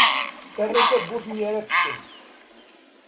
Ttarra tawwurt mi ara d-tkecmeḍ.